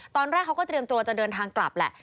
ตอนแรกเขาก็เตรียมตัวจะเดินทางกลับแหละ